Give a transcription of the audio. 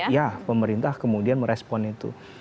ya pemerintah kemudian merespon itu